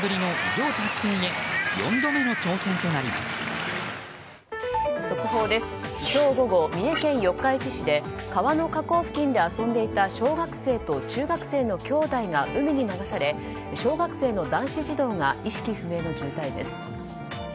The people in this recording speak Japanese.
今日午後、三重県四日市市で川の河口付近で遊んでいた小学生と中学生のきょうだいが海に流され小学生の男子児童が意識不明の重体です。